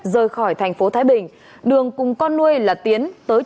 rời khỏi tp thái bình đường cùng con nuôi là tiến